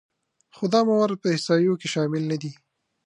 خو دا موارد په احصایو کې شامل نهدي